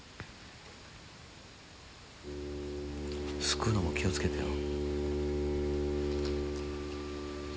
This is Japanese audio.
すくうのも気を付けてよ。